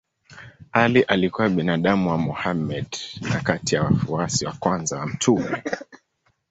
Ali alikuwa binamu wa Mohammed na kati ya wafuasi wa kwanza wa mtume.